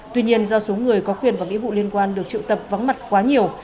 tuy nhiên do số người có quyền và nghĩa vụ liên quan được triệu tập vắng mặt quá nhiều